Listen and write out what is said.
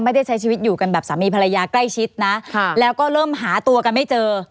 ใช้ชีวิตอยู่กันแบบสามีภรรยาใกล้ชิดนะค่ะแล้วก็เริ่มหาตัวกันไม่เจอ